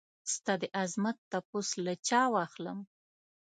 ستا دعظمت تپوس له چا واخلم؟